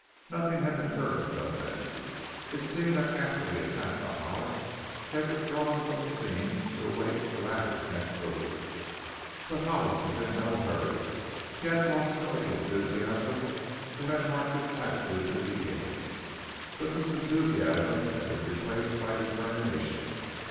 Nothing had been heard of Dunlavey it seemed that after the attack upon Hollis he had withdrawn from the scene to await the latter's next move. But Hollis was in no hurry; he had lost some of the enthusiasm that had marked his attitude in the beginning, but this enthusiasm had been replaced by determination.